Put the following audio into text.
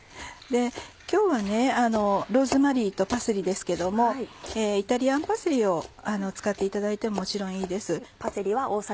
今日はローズマリーとパセリですけどもイタリアンパセリを使っていただいてももちろんいいです。